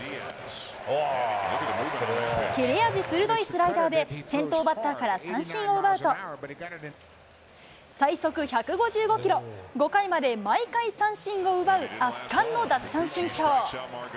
切れ味鋭いスライダーで、先頭バッターから三振を奪うと、最速１５５キロ、５回まで毎回三振を奪う圧巻の奪三振ショー。